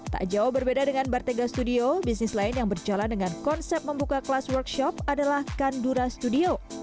tak jauh berbeda dengan bartega studio bisnis lain yang berjalan dengan konsep membuka kelas workshop adalah kandura studio